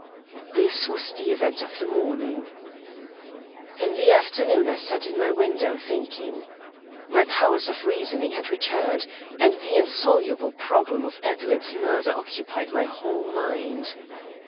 This was the event of the morning. In the afternoon I sat in my window thinking. My powers of reasoning had returned, and the insoluble problem of Adelaide's murder occupied my whole mind.